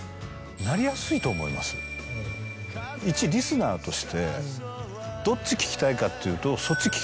いちリスナーとしてどっち聴きたいかっていうと。